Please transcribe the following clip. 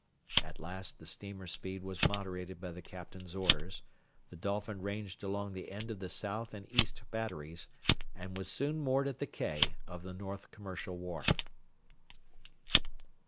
At last the steamer's speed was moderated by the Captain's orders; the Dolphin ranged along the end of the south and east batteries, and was soon moored at the quay of the North Commercial Wharf.